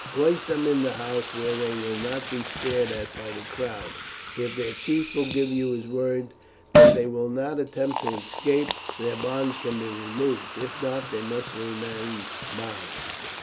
Place them in the house, where they will not be stared at by the crowd. If their chief will give you his word that they will not attempt to escape, their bonds can be removed; if not, they must remain bound."